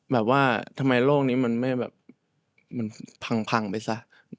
แบบว่าทำไมโลกนี้มันไม่แบบมันพังไปซะ